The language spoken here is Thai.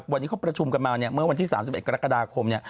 วันนี้เขาประชุมกันมาเมื่อวันที่๓๑กรกฎาคม